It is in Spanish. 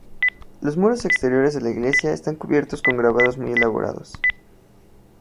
Los muros exteriores de la iglesia están cubiertos con grabados muy elaborados.